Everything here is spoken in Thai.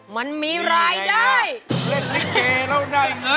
มันมีรายได้